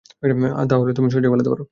তাহলে তুমি সহজেই পালাতে পারো।